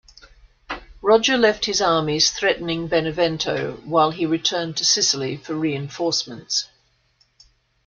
Roger left his armies threatening Benevento, while he returned to Sicily for reinforcements.